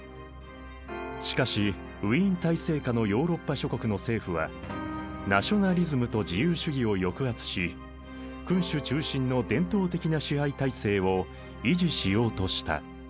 しかしウィーン体制下のヨーロッパ諸国の政府はナショナリズムと自由主義を抑圧し君主中心の伝統的な支配体制を維持しようとした。